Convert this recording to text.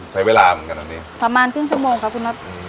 ใช้เวลาเหมือนกันอันนี้ประมาณครึ่งชั่วโมงครับคุณน็อต